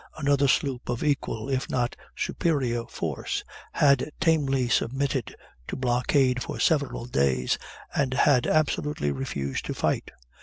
Another sloop, of equal, if not superior force, had tamely submitted to blockade for several days, and had absolutely refused to fight.